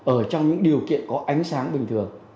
ở trong những điều kiện có ánh sáng bình thường